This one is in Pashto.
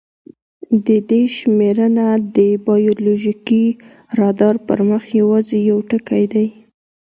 د دې شمېرنه د بایولوژیکي رادار پر مخ یواځې یو ټکی دی.